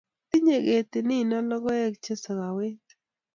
tinyei ketit nino logoek che sakawet